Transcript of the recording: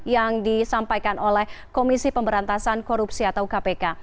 yang disampaikan oleh komisi pemberantasan korupsi atau kpk